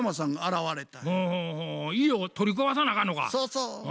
そうそう。